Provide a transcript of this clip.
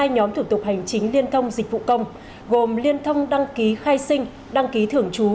hai nhóm thủ tục hành chính liên thông dịch vụ công gồm liên thông đăng ký khai sinh đăng ký thưởng chú